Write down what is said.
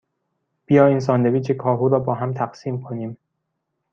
بیا این ساندویچ کاهو را باهم تقسیم کنیم.